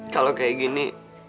kalau kayak gini